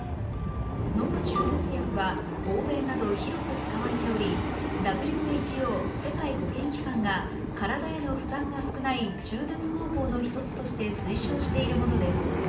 飲む中絶薬は欧米など広く使われており、ＷＨＯ＝世界保健機関が体への負担が少ない中絶方法の一つとして推奨しているものです。